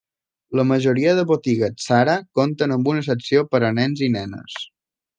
La majoria de botigues Zara compten amb una secció per a nens i nenes.